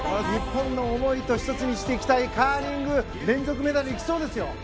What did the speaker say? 日本の思いを１つにしていきたいカーリング連続メダル行きそうですよ。